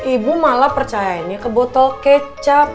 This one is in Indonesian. eh ibu malah percayainnya ke botol kecap